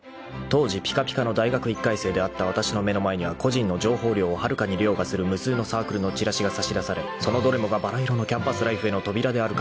［当時ぴかぴかの大学１回生であったわたしの目の前には個人の情報量をはるかに凌駕する無数のサークルのチラシが差し出されそのどれもがばら色のキャンパスライフへの扉であるかのように見えた］